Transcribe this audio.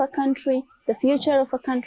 masa depannya itu bergantung pada wanita